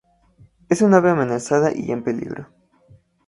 Es un ave amenazada y en peligro.